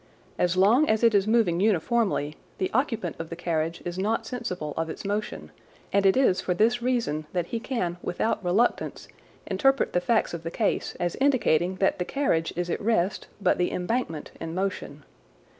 As long as it is moving unifromly, the occupant of the carriage is not sensible of its motion, and it is for this reason that he can without reluctance interpret the facts of the case as indicating that the carriage is at rest, but the embankment in motion.